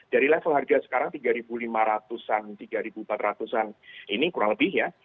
dari level harga sekarang tiga ribu lima ratus an rp tiga empat ratus an ini kurang lebih ya